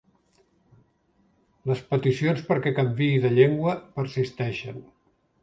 Les peticions perquè canviï de llengua persisteixen.